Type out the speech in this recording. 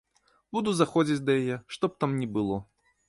Буду заходзіць да яе, што б там ні было.